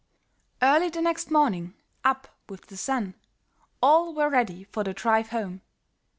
Early the next morning, up with the sun, all were ready for the drive home.